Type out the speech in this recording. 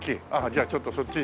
じゃあちょっとそっち。